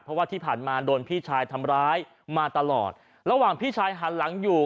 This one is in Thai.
เพราะว่าที่ผ่านมาโดนพี่ชายทำร้ายมาตลอดระหว่างพี่ชายหันหลังอยู่